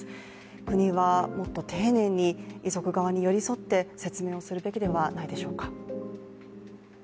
国はもっと丁寧に遺族側に寄り添って説明をするべきではないでしょうか。